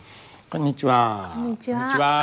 こんにちは。